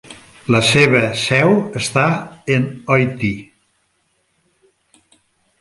La seva seu està en Oitti.